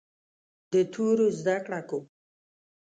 د تورو زده کړه کوم.